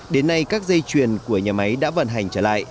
đến nay các dây chuyền của nhà máy đã vận hành trở lại